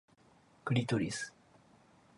クリトリス